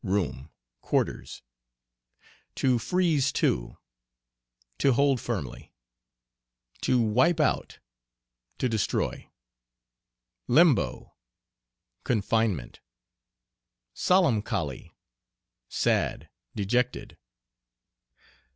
Room, quarters. "To freeze to." To hold firmly. "To wipe out." To destroy. "Limbo." Confinement. "Solemncholy." Sad, dejected.